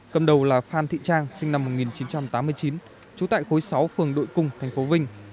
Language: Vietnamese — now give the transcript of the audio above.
cầm đầu là phan thị trang sinh năm một nghìn chín trăm tám mươi chín trú tại khối sáu phường đội cung thành phố vinh